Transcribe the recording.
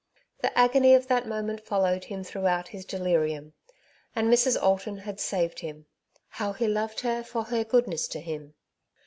The agony of that moment followed him throughout his delirium. And Mrs. Alton had saved him ! How he loved her for her goodness to him